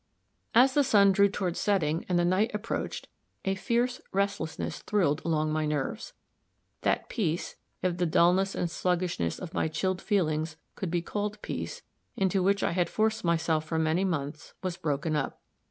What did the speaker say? As the sun drew toward setting and the night approached, a fierce restlessness thrilled along my nerves. That peace if the dullness and sluggishness of my chilled feelings could be called peace into which I had forced myself for many months, was broken up.